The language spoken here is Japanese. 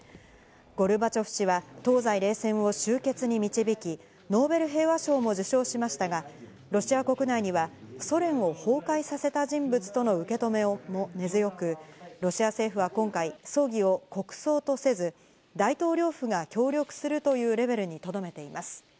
ゴルバチョフ氏は東西冷戦を終結に導き、ノーベル平和賞も受賞しましたが、ロシア国内には、ソ連を崩壊させた人物との受け止めも根強く、ロシア政府は今回、葬儀を国葬とせず、大統領府が協力するというレベルにとどめています。